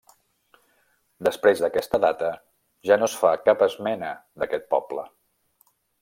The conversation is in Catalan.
Després d'aquesta data ja no es fa cap esmena d'aquest poble.